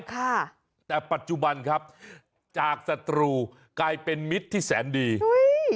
ค่ะแต่ปัจจุบันครับจากศัตรูกลายเป็นมิตรที่แสนดีอุ้ย